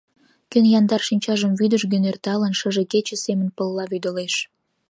Кӧн яндар шинчажым вӱдыжгӧ, нӧрталын, Шыже кече семын пылла вӱдылеш?